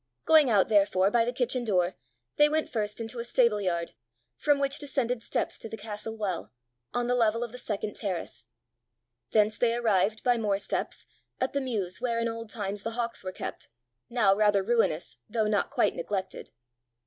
Going out therefore by the kitchen door, they went first into a stable yard, from which descended steps to the castle well, on the level of the second terrace. Thence they arrived, by more steps, at the mews where in old times the hawks were kept, now rather ruinous though not quite neglected.